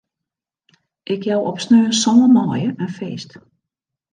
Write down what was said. Ik jou op sneon sân maaie in feest.